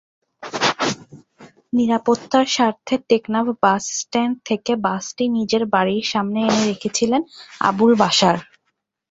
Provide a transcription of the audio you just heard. নিরাপত্তার স্বার্থে টেকনাফ বাসস্ট্যান্ড থেকে বাসটি নিজের বাড়ির সামনে এনে রেখেছিলেন আবুল বাশার।